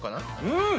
うん！